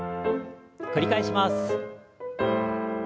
繰り返します。